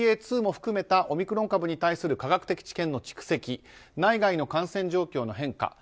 ．２も含めたオミクロン株に対する科学的知見の蓄積内外の感染状況の変化